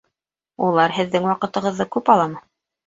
Улар һеҙҙең ваҡытығыҙҙы күп аламы?